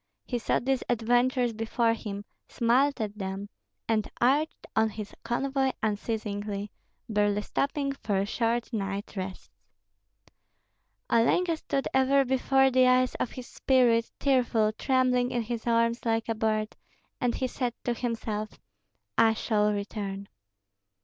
He saw these adventures before him, smiled at them, and urged on his convoy unceasingly, barely stopping for short night rests. Olenka stood ever before the eyes of his spirit, tearful, trembling in his arms like a bird, and he said to himself, "I shall return."